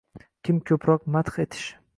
kim ko‘proq madh etish